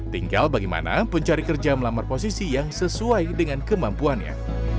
tinggal bagaimana pencari kerja melamar posisi yang sesuai dengan kemampuannya